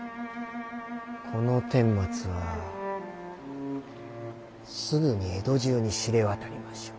このてんまつはすぐに江戸中に知れ渡りましょう。